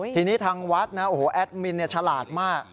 ทีนี้ทางวัดนะโอ้โหแอดมินฉลาดมาก